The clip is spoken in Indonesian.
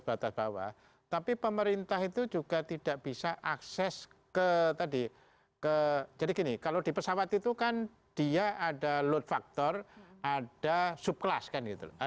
batas bawah tapi pemerintah itu juga tidak bisa akses ke tadi ke jadi gini kalau di pesawat itu kan